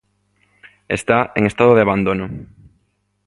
Está "en estado de abandono".